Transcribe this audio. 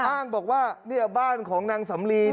อ้างบอกว่านี่แหละบ้านของนางสำลี